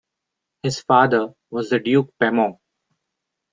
His father was the Duke Pemmo.